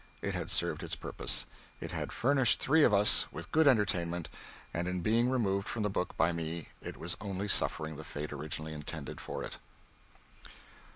It had served its purpose. It had furnished three of us with good entertainment, and in being removed from the book by me it was only suffering the fate originally intended for it.